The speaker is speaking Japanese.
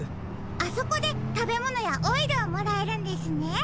あそこでたべものやオイルをもらえるんですね。